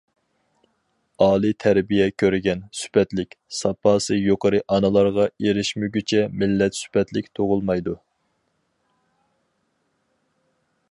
ئالىي تەربىيە كۆرگەن، سۈپەتلىك، ساپاسى يۇقىرى ئانىلارغا ئېرىشمىگۈچە مىللەت سۈپەتلىك تۇغۇلمايدۇ.